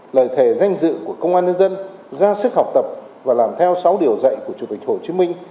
lời thề danh dự của công an nhân dân ra sức học tập và làm theo sáu điều dạy của chủ tịch hồ chí minh